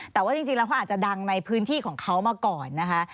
แต่ว่าจริงแล้วเขาอาจจะดังในพื้นที่ของเขามาก่อนนะคะ